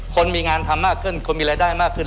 คนมีงานทำมากขึ้นคนมีรายได้มากขึ้น